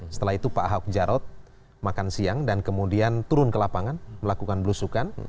setelah itu pak ahok jarot makan siang dan kemudian turun ke lapangan melakukan belusukan